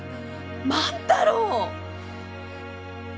万太郎！